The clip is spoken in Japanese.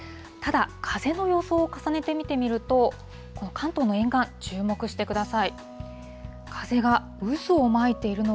ただ、風の予想を重ねて見てみると、関東の沿岸、注目してください。